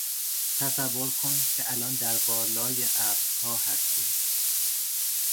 تصور کن که الان در بالای ابرها هستی.